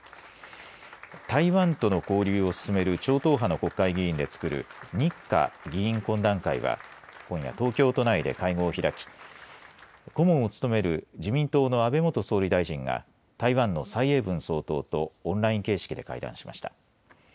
台湾との交流を進める超党派の国会議員でつくる日華議員懇談会は今夜、東京都内で会合を開き顧問を務める自民党の安倍元総理大臣が台湾の総英文総統とオンライン形式で会談しました。